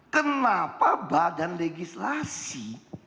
kenapa badan legislasi